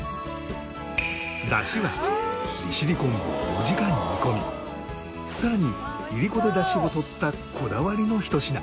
ダシは利尻昆布を４時間煮込みさらにいりこでダシを取ったこだわりのひと品。